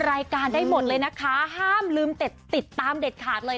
รายการใหม่เกียบเลย